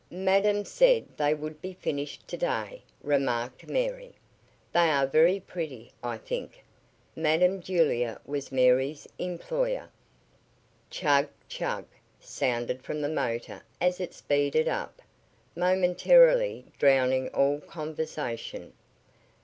"Madam said they would be finished to day," remarked Mary. "They are very pretty, I think." Madam Julia was Mary's employer. "Chug! chug!" sounded from the motor as it speeded up, momentarily, drowning all conversation.